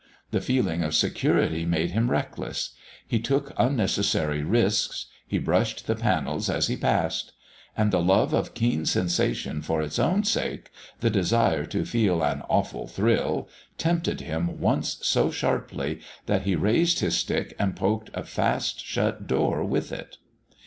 The feeling of security made him reckless; he took unnecessary risks; he brushed the panels as he passed. And the love of keen sensation for its own sake, the desire to feel "an awful thrill," tempted him once so sharply that he raised his stick and poked a fast shut door with it!